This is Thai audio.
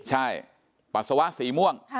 ใช่ปัสสาวะสีม่วง